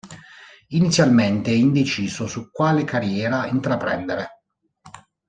Inizialmente è indeciso su quale carriera intraprendere.